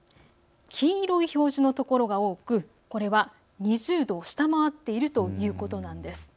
黄色い表示の所が多くこれは２０度を下回っているということです。